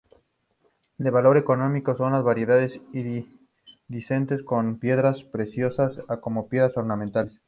De valor económico son las variedades iridiscentes, como piedras preciosas o como piedras ornamentales.